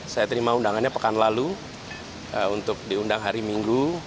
saya terima undangannya pekan lalu untuk diundang hari minggu